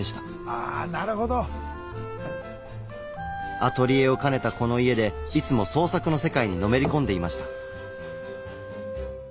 アトリエを兼ねたこの家でいつも創作の世界にのめりこんでいました。